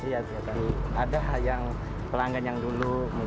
iya kan ada yang pelanggan yang dulu